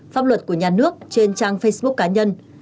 pháp luật của nhà nước trên trang facebook cá nhân